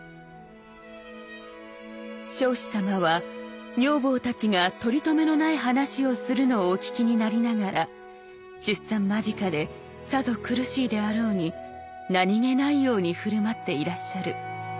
「彰子様は女房たちが取りとめのない話をするのをお聞きになりながら出産間近でさぞ苦しいであろうに何気ないように振る舞っていらっしゃる。